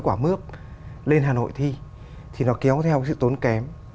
quả mướp lên hà nội thi thì nó kéo theo sự tốn kém